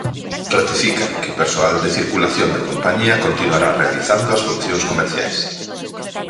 Ratifica que o persoal de Circulación da compañía continuará realizando as funcións comerciais.